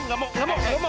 nggak mau nggak mau